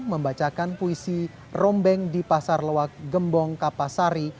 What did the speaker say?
membacakan puisi rombeng di pasar lewak gembong kapasari